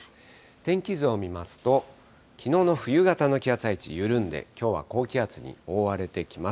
天気図を見ますと、きのうの冬型の気圧配置緩んで、きょうは高気圧に覆われてきます。